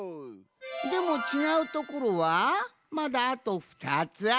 でもちがうところはまだあとふたつあるよん。